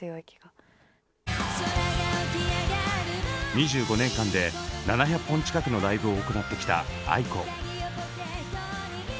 ２５年間で７００本近くのライブを行ってきたａｉｋｏ。